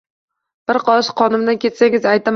Bir qoshiq qonimdan kechsangiz aytaman